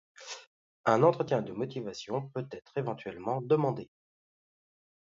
Un entretien de motivation peut être éventuellement demandé.